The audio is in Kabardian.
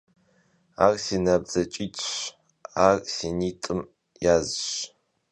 Ar si nabdzeç'it'ş, ar si nit'ım yazş.